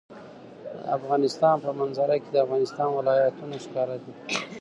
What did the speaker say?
د افغانستان په منظره کې د افغانستان ولايتونه ښکاره ده.